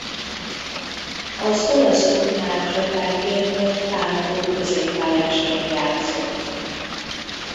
Az olasz klubnál csatárként vagy támadó középpályásként játszott.